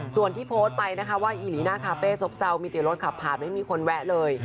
ส่วนที่โพสต์ไปนะคะว่าอีหลีน่าคาเฟ่ซบเศร้ามีแต่รถขับผ่านไม่มีคนแวะเลย